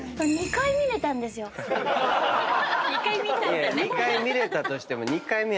２回見れたとしても。